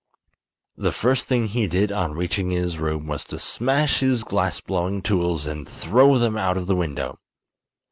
The first thing he did on reaching his room was to smash his glass blowing tools and throw them out of the window.